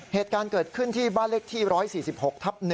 เหตุการณ์เกิดขึ้นที่บ้านเลขที่๑๔๖ทับ๑